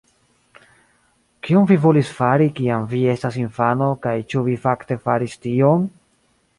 Kion vi volis fari kiam vi estas infano kaj ĉu vi fakte faris tion?